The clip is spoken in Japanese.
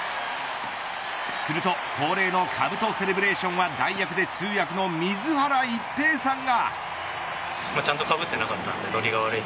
すると、恒例のかぶとセレブレーションは代役で通訳の水原一平さんが。